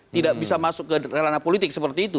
tidak bisa masuk ke ranah politik seperti itu